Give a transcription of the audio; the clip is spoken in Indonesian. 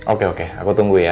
oke oke aku tunggu ya